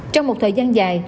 trong một thời gian dài